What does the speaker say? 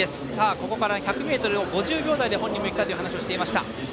ここから１００ｍを５０秒台で本人もいきたいという話をしていました。